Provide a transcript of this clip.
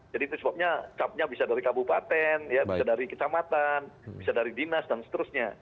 jadi itu sebabnya capnya bisa dari kabupaten bisa dari kesamatan bisa dari dinas dan seterusnya